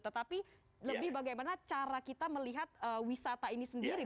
tetapi lebih bagaimana cara kita melihat wisata ini sendiri